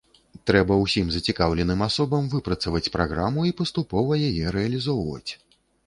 Трэба ўсім зацікаўленым асобам выпрацаваць праграму і паступова яе рэалізоўваць.